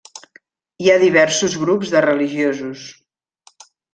Hi ha diversos grups de religiosos.